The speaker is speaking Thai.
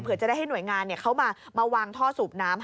เพื่อจะได้ให้หน่วยงานเขามาวางท่อสูบน้ำ